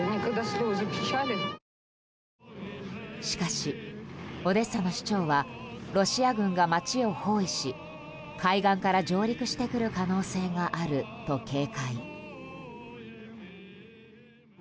しかし、オデッサの市長はロシア軍が街を包囲し海岸から上陸してくる可能性があると警戒。